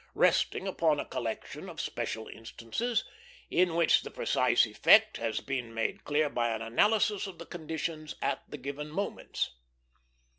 resting upon a collection of special instances, in which the precise effect has been made clear by an analysis of the conditions at the given moments."